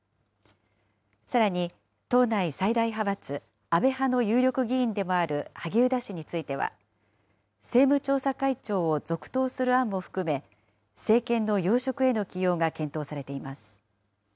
さらに、党内最大派閥、安倍派の有力議員でもある萩生田氏については、政務調査会長を続投する案も含め、政権の要職への起用が検討されています。